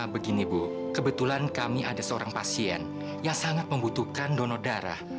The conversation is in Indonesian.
begini bu kebetulan kami ada seorang pasien yang sangat membutuhkan donor darah